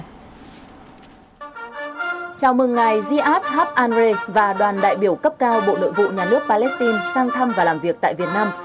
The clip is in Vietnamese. chào mừng ngày ziad habariz và đoàn đại biểu cấp cao bộ nội vụ nhà nước palestine sang thăm và làm việc tại việt nam